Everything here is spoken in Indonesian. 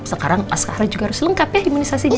sekarang azkara juga harus lengkap ya imunisasi dia